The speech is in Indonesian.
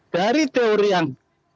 dari teori yang